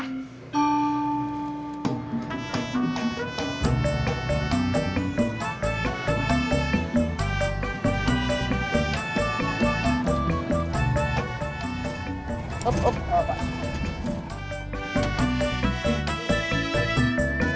kalau kasian ma begini dan ma occurred ma bahon di sini